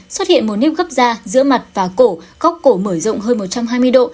xuất hiện một nếp gấp da giữa mặt và cổ góc cổ mở rộng hơn một trăm hai mươi độ